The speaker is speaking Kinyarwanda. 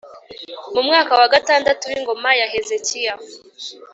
Mu mwaka wa gatandatu w ingoma ya Hezekiya